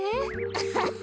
アハハ。